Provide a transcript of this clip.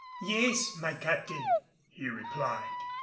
"Yes, my captain," he replied.